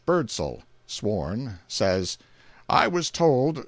BIRDSALL, sworn, says:—I was told Wm.